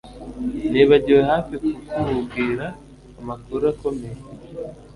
Nibagiwe hafi kukubwira amakuru akomeye